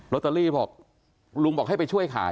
ตเตอรี่บอกลุงบอกให้ไปช่วยขาย